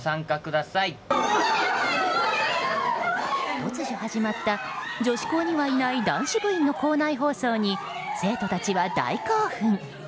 突如始まった女子校にはいない男子部員の校内放送に、生徒たちは大興奮。